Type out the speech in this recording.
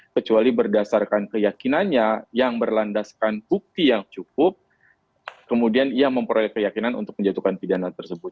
kecuali berdasarkan keyakinannya yang berlandaskan bukti yang cukup kemudian ia memperoleh keyakinan untuk menjatuhkan pidana tersebut